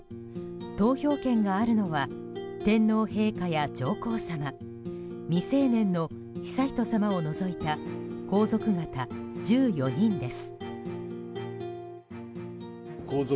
投票権があるのは天皇陛下や上皇さま未成年の悠仁さまを除いた皇族方１４人です。